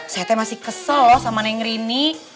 saya masih kesel loh sama neng rini